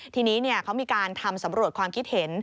ทีนี้เขามีการทำสำรวจความคิดเห็น